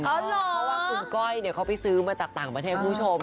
เพราะว่าคุณก้อยเขาไปซื้อมาจากต่างประเทศคุณผู้ชม